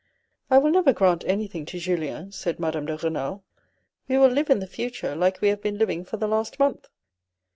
" I will never grant anything to Julien," said Madame de Renal; " we will live in the future like we have been living for the last month.